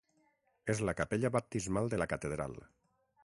És la Capella Baptismal de la Catedral.